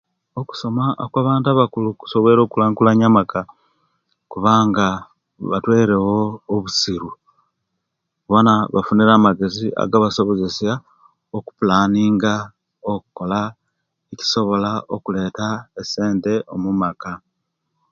Okusoma okwa bantu abakulu kusobwoire okulankulanya amaka kubanga batwerewo obusiru bona bafunire amagezi agabasobozesiya okupulaninga okola nibasobola okuleta esente omumaka